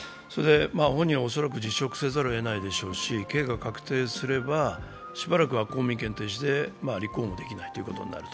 本人は恐らく辞職せざるをえないと思いますし刑が確定すればしばらくは公民権停止で立候補もできないということになる。